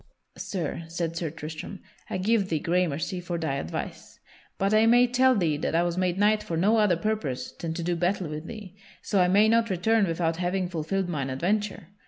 "Sir," said Sir Tristram, "I give thee gramercy for thy advice. But I may tell thee that I was made knight for no other purpose than to do battle with thee; so I may not return without having fulfilled mine adventure.